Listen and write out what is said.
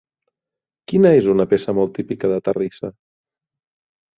Quina és una peça molt típica de terrissa?